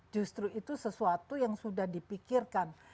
justru itu sesuatu yang sudah dipikirkan